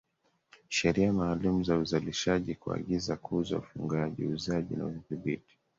sheria maalum za uzalishaji kuagiza kuuza ufungaji uuzaji na udhibiti